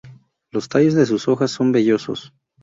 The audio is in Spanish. Los tallos de sus hojas son vellosos.